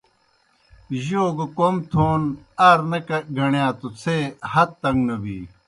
جوْ گہ کوْم تھون عار نہ گݨِیا توْ څھے ہت تݩگ نہ بِی۔